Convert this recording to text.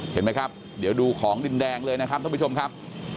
เห็นไหมครับเดี๋ยวดูของดินแดงเลยนะครับท่านผู้ชมครับ